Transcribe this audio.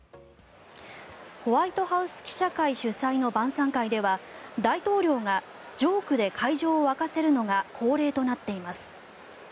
ホワイトハウス記者会主催の晩さん会では大統領がジョークで会場を沸かせるのが恒例となっています。